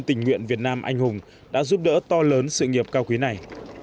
tình nguyện việt nam anh hùng đã giúp đỡ to lớn sự nghiệp cao quý này